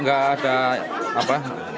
nggak ada apa